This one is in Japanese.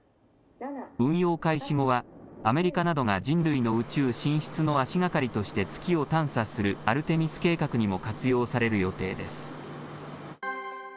運用開始後は、アメリカなどが人類の宇宙進出の足がかりとして月を探査するアルテミス計画にも活用される予定です。